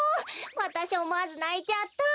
わたしおもわずないちゃったわ。